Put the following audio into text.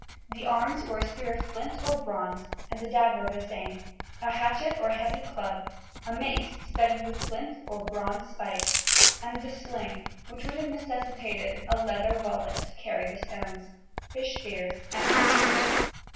The arms were a spear of flint or bronze and a dagger of the same, a hatchet or heavy club, a mace studded with flint or bronze spikes, and the sling, which would have necessitated a leather wallet to carry the stones; fish spears and snags.